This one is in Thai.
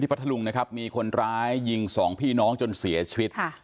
พัทธลุงนะครับมีคนร้ายยิงสองพี่น้องจนเสียชีวิต